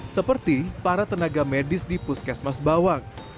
seperti para tenaga medis di puskesmas bawang